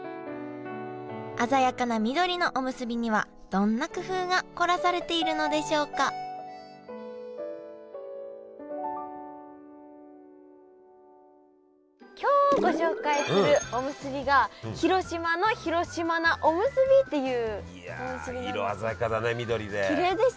鮮やかな緑のおむすびにはどんな工夫が凝らされているのでしょうか今日ご紹介するおむすびが広島の広島菜おむすびっていうおむすびなんです。